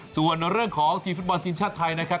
ส่วนเรื่องของทีมฟุตบอลทีมชาติไทยนะครับ